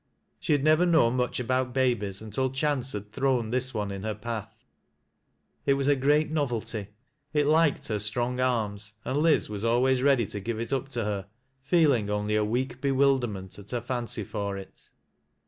She had never known much about babies until chance had thrown this one in her path ; it was a great novelty. It Kked her strong arms, and Liz was always ready to give it up to her, feeling only a weak bewilderment at her fancy for it.